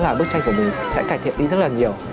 là bức tranh của mình sẽ cải thiện đi rất là nhiều